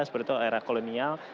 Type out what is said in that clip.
sebetulnya era kolonial